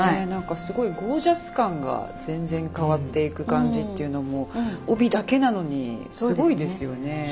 ゴージャス感が全然変わっていく感じっていうのも帯だけなのにすごいですよね。